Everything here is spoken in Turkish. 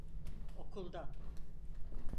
Okuldan.